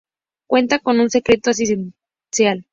Cuenta con un centro asistencial.